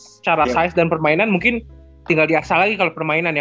secara size dan permainan mungkin tinggal diaksa lagi kalau permainan ya